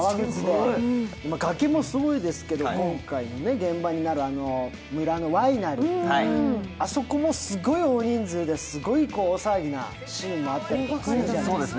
崖もすごいですけど、今回現場になる村のワイナリー、あそこもすごい大人数で、すごい大騒ぎのシーンだったりするじゃないですか。